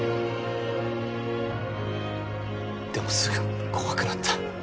でもすぐ怖くなった。